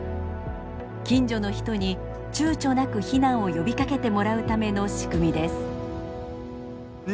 近所の人にちゅうちょなく避難を呼びかけてもらうための仕組みです。